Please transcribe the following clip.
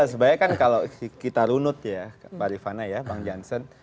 sebenarnya kan kalau kita runut ya pak rifana ya bang jansen